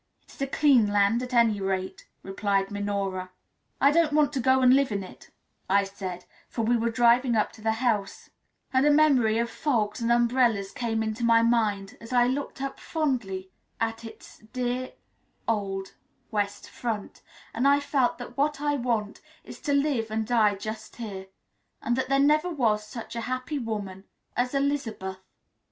"It is a clean land, at any rate," replied Minora. "I don't want to go and live in it," I said for we were driving up to the house, and a memory of fogs and umbrellas came into my mind as I looked up fondly at its dear old west front, and I felt that what I want is to live and die just here, and that there never was such a happy woman as Elizabeth.